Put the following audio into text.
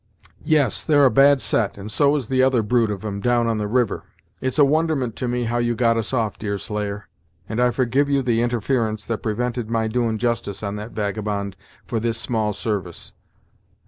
"Yes, they're a bad set, and so is the other brood of 'em, down on the river. It's a wonderment to me how you got us off, Deerslayer; and I forgive you the interference that prevented my doin' justice on that vagabond, for this small service.